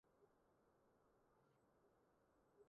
我在台北一零一買了紀念品